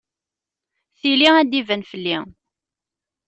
Tili ad d-iban fell-i.